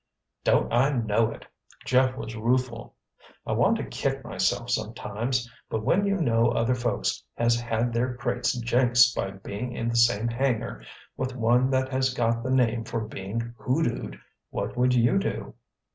"Don't I know it!" Jeff was rueful. "I want to kick myself sometimes—but when you know other folks has had their crates 'jinxed' by being in the same hangar with one that has got the name for being hoodooed—what would you do?"